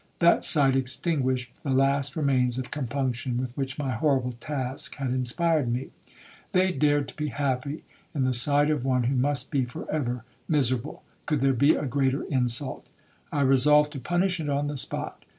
That sight extinguished the last remains of compunction with which my horrible task had inspired me. They dared to be happy in the sight of one who must be for ever miserable,—could there be a greater insult? I resolved to punish it on the spot.